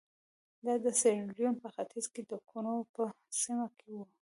دا د سیریلیون په ختیځ کې د کونو په سیمه کې وو.